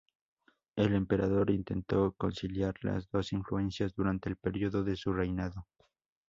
El emperador intentó conciliar las dos influencias durante el periodo de su reinado.